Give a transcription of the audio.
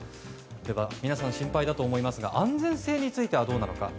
では皆さん、心配だと思いますが安全性はどうか。